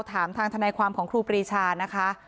ถามทางทนายความของครูปรีชานะคะ